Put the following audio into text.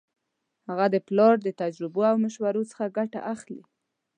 هغه د خپل پلار د تجربو او مشورو څخه ګټه اخلي